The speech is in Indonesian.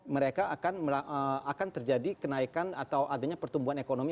mereka akan terjadi kenaikan atau adanya pertumbuhan ekonomi